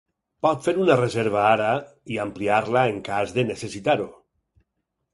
Pot fer una reserva ara i ampliar-la en cas de necessitar-ho.